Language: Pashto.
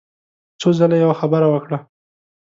څو ځله يې يوه خبره وکړه.